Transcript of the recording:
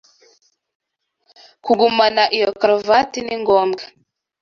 Kugumana iyo karuvati ni ngombwa.